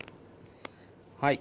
はい。